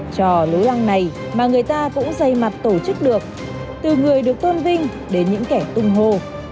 trò lối lăng này mà người ta cũng dày mặt tổ chức được từ người được tôn vinh đến những kẻ tung hồ